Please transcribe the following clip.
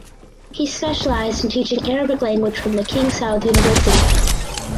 He specialized in teaching Arabic language from the King Saud University.